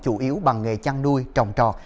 chủ yếu bằng nghề chăn nuôi trồng trò